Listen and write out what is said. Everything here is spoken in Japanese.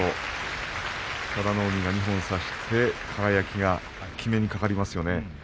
佐田の海が二本差して輝がきめにかかりますよね。